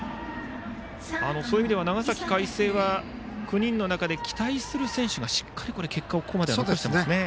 そういう意味では長崎・海星は９人の中で期待する選手がしっかりここまで結果を出していますね。